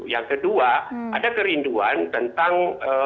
yang kedua ada kerinduan tentang